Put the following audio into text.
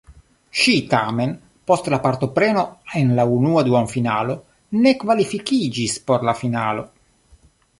Ŝi tamen post la partopreno en la unua duonfinalo ne kvalifikiĝis por la finalo.